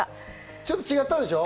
ちょっと違ったんでしょ？